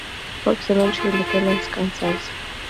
Hope Cemetery, Independence, Kansas.